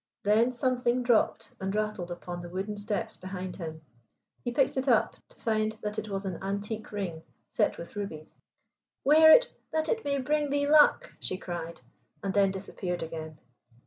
Then something dropped and rattled upon the wooden steps behind him. He picked it up to find that it was an antique ring set with rubies. "Wear it that it may bring thee luck," she cried, and then disappeared again.